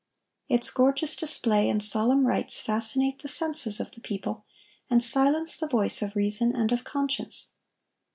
Its gorgeous display and solemn rites fascinate the senses of the people, and silence the voice of reason and of conscience.